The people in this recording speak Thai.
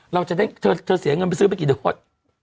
เราจะได้เธอเสียเงินไปซื้อไปกี่เดือน